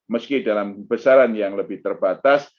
meski dalam kebesaran yang lebih terbatas